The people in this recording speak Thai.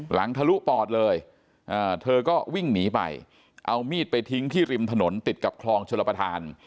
ทะลุปอดเลยเธอก็วิ่งหนีไปเอามีดไปทิ้งที่ริมถนนติดกับคลองชลประธาน